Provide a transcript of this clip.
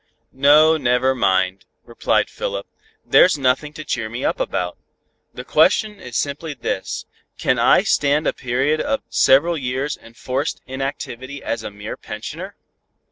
"No, never mind," replied Philip. "There's nothing to cheer me up about. The question is simply this: Can I stand a period of several years' enforced inactivity as a mere pensioner?"